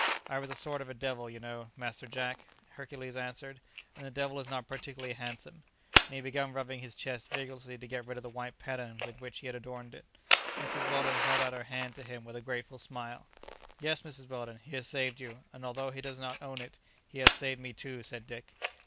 "I was a sort of a devil, you know, Master Jack," Hercules answered; "and the devil is not particularly handsome;" and he began rubbing his chest vigorously to get rid of the white pattern with which he had adorned it. Mrs. Weldon held out her hand to him with a grateful smile. "Yes, Mrs. Weldon, he has saved you, and although he does not own it, he has saved me too," said Dick.